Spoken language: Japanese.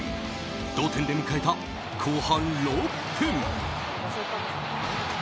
同点で迎えた後半６分。